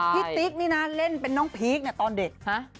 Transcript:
พี่ติ๊กนี่นะเล่นเป็นน้องพีคเนี่ยตอนเด็ก